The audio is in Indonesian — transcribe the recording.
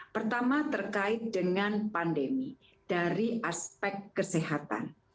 pertama terkait dengan pandemi dari aspek kesehatan